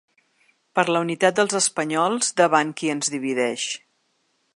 Per la unitat dels espanyols davant qui ens divideix.